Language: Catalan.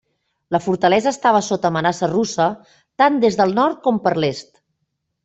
La fortalesa estava sota amenaça russa, tant des del nord com per l'est.